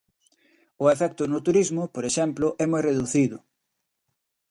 O efecto no turismo, por exemplo, é moi reducido.